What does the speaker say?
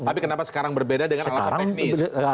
tapi kenapa sekarang berbeda dengan alasan teknis